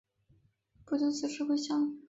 不久辞职归乡。